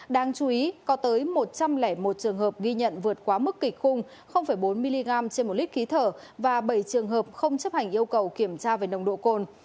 đáng chú ý có tới một trăm linh một trường hợp ghi nhận vượt quá mức kịch khung bốn mg trên một lít khí thở và bảy trường hợp không chấp hành yêu cầu kiểm tra về nồng độ cồn